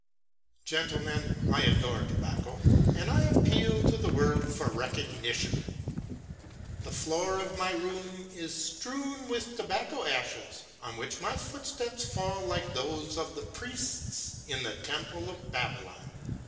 Gentlemen, I adore tobacco, and I appeal to the world for recognition. The floor of my room is strewn with tobacco ashes, on which my footsteps fall like those of the priests in the temple of Babylon.